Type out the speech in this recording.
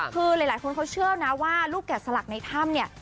คือหลายคนเขาเชื่อนะว่าลูกแก่สลักในถ้ำเนี่ย